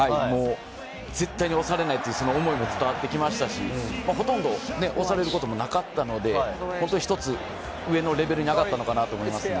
絶対に押されないという思いも伝わってきましたし、ほとんど押されることもなかったので、１つ上のレベルに上がったのかなと思います。